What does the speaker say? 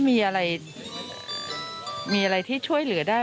มีอะไรมีอะไรที่ช่วยเหลือได้